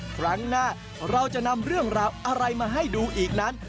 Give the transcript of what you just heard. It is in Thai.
ครั้งหน้าเราจะนำเรื่องราวอะไรมาให้ดูอีกนั้น